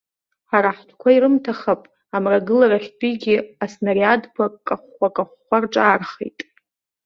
Ҳара ҳтәқәа ирымҭахап амрагыларахьтәигьы аснариадқәа кахәхәа-кахәхәа рҿаархеит.